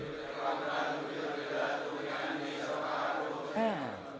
alhamdulillah alhamdulillah tuhani sholat